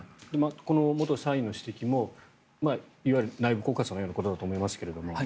元社員の指摘もいわば内部告発のようなものだと思いますが。